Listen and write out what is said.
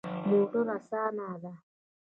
موټر اسانه ده